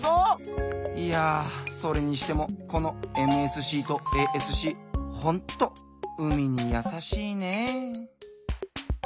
いやそれにしてもこのＭＳＣとＡＳＣほんと海にやさしいね！